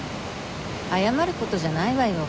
謝る事じゃないわよ。